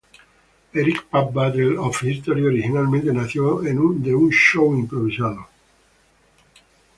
Epic Rap Battles of History originalmente nació de un "show improvisado".